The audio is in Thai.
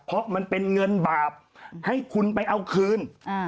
เพราะมันเป็นเงินบาปให้คุณไปเอาคืน